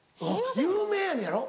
有名やのやろ？